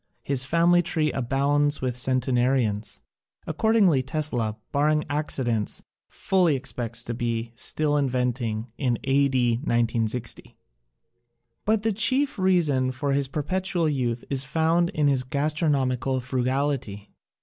His family tree abounds with centenarians. Accordingly, Tesla — barring accidents— fully expects to be still inventing in A. D. 1960. But the chief reason for his perpetual youth is found in his gastronomical frugal ity.